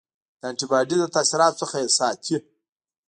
د انټي باډي له تاثیراتو څخه یې ساتي.